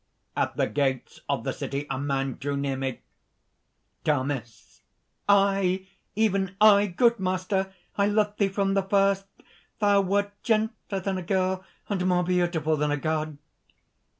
At the gates of the city, a man drew near me...." DAMIS. "I even I, good master! I loved thee from the first. Thou wert gentler than a girl and more beautiful than a god!"